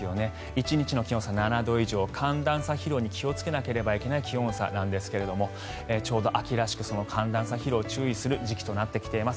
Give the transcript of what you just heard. １日の気温差７度以上寒暖差疲労に気をつけなければいけない気温差なんですけれどもちょうど秋らしく寒暖差疲労に注意する時期となってきています。